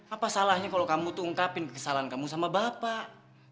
apa salahnya kalau kamu tuh ungkapin kesalahan kamu sama bapak